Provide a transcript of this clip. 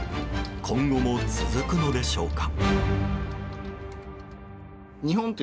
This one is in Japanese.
今後も続くのでしょうか。